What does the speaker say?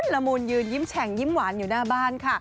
ละมุนยืนยิ้มแฉ่งยิ้มหวานอยู่หน้าบ้านค่ะ